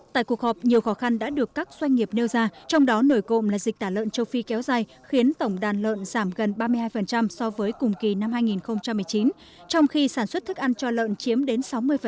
tại cuộc họp nhiều khó khăn đã được các doanh nghiệp nêu ra trong đó nổi cộng là dịch tả lợn châu phi kéo dài khiến tổng đàn lợn giảm gần ba mươi hai so với cùng kỳ năm hai nghìn một mươi chín trong khi sản xuất thức ăn cho lợn chiếm đến sáu mươi